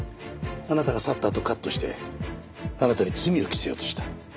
あなたが去ったあとをカットしてあなたに罪を着せようとした。